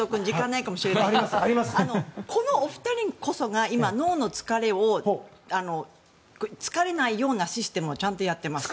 補足するとごめん、修造君時間ないかもしれないけどこのお二人こそが脳の疲れを疲れないようなシステムをちゃんとやっています。